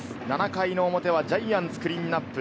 ７回の表はジャイアンツ、クリーンナップ。